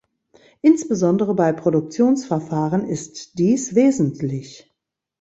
Insbesondere bei Produktionsverfahren ist dies wesentlich.